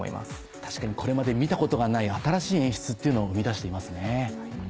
確かにこれまで見たことがない新しい演出っていうのを生み出していますね。